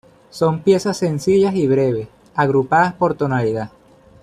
Son piezas sencillas y breves, agrupadas por tonalidad.